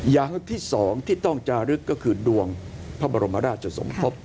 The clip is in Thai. อย่างที่สองที่ต้องจารึกก็คือดวงพระบรมราชสมภพ